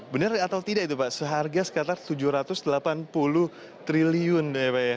benar atau tidak itu pak seharga sekitar tujuh ratus delapan puluh triliun ya pak ya